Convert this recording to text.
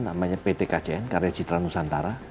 namanya pt kcn karya citra nusantara